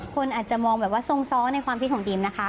คนอาจจะมองสงซ้อนในความพิธีของดีมนะคะ